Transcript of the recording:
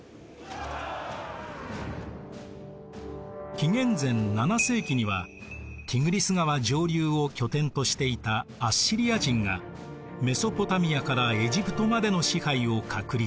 紀元前７世紀にはティグリス川上流を拠点としていたアッシリア人がメソポタミアからエジプトまでの支配を確立。